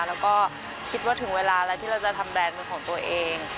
แล้วก็คิดว่าถึงเวลาแล้วที่เราจะทำแบรนด์มือของตัวเอง